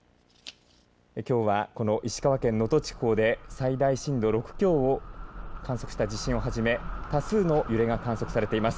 きょうは石川県能登地方で最大震度６強を観測した地震をはじめ多数の揺れが観測されています。